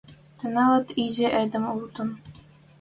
Тӹлӓнет изи эдем утен